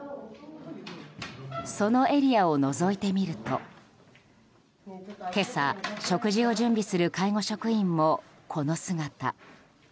そのエリアをのぞいてみると今朝、食事を準備する介護職員もこの姿。